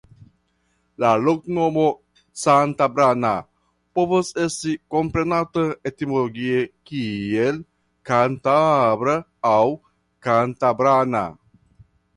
La loknomo "Cantabrana" povas esti komprenebla etimologie kiel "Kantabra" aŭ "Kantabrana".